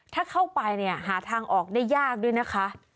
ถ้าเข้าไปเนี่ยหาทางออกได้ยากด้วยนะคะ